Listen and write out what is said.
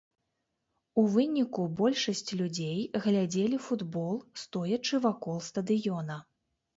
У выніку большасць людзей глядзелі футбол, стоячы вакол стадыёна.